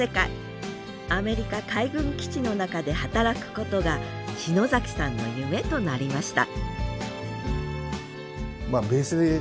アメリカ海軍基地の中で働くことが篠崎さんの夢となりました